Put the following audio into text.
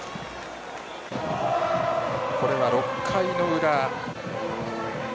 これは６回の裏。